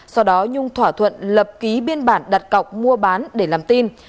sau đó nhung thỏa thuận lập ký biên bản đặt cọc mua bán để làm tin